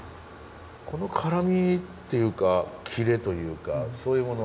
この辛みっていうかキレというかそういうものは。